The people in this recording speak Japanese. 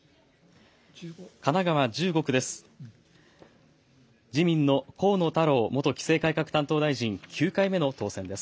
神奈川５区です。